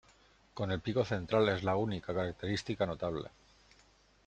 Con el pico central, es la única característica notable.